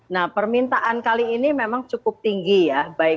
nah permintaan kali ini memang cukup tinggi ya